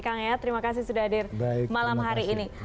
kang yayat terima kasih sudah hadir malam hari ini